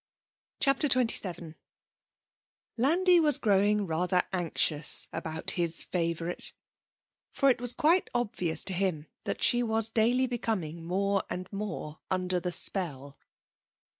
CHAPTER XXVII Landi was growing rather anxious about his favourite, for it was quite obvious to him that she was daily becoming more and more under the spell.